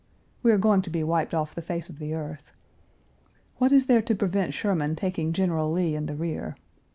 We are going to be wiped off the face of the earth. What is there to prevent Sherman taking General Lee in the rear?